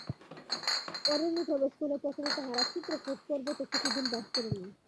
অরণ্যে প্রবেশ করিয়া প্রথমে তাঁহারা চিত্রকূট পর্বতে কিছুদিন বাস করিলেন।